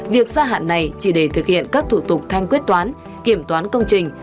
việc gia hạn này chỉ để thực hiện các thủ tục thanh quyết toán kiểm toán công trình